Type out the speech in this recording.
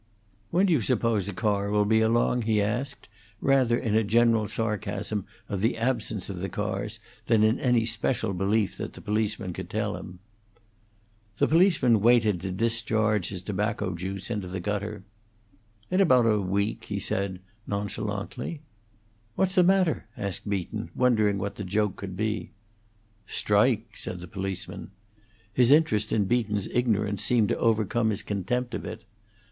"When do you suppose a car will be along?" he asked, rather in a general sarcasm of the absence of the cars than in any special belief that the policeman could tell him. The policeman waited to discharge his tobacco juice into the gutter. "In about a week," he said, nonchalantly. "What's the matter?" asked Beaton, wondering what the joke could be. "Strike," said the policeman. His interest in Beaton's ignorance seemed to overcome his contempt of it.